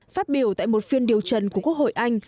phát biểu tại một phiên điều trần của quốc hội anh